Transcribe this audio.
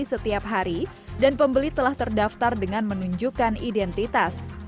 setiap hari dan pembeli telah terdaftar dengan menunjukkan identitas